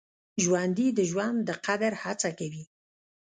ژوندي د ژوند د قدر هڅه کوي